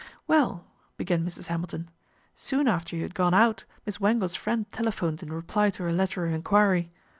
' Well," began Mrs. Hamilton, " soon after you had gone out Miss Wangle's friend telephoned in reply to her letter of enquiry.